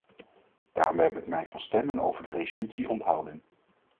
Daarom heb ik mij van stemming over de resolutie onthouden.